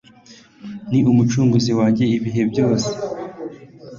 ni umucunguzi wanjye ibihe byose